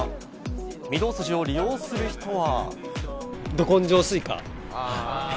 御堂筋を利用する人は。